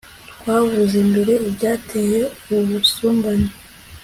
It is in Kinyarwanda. twavuze mbere ibyateye ubusumbane